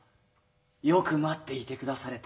よく待っていてくだされた。